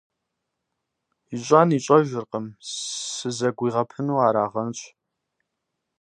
ИщӀэн ищӀэжыркъым, сызэгуигъэпыну арагъэнщ.